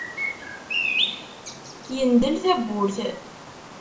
Yendel-d tawwurt.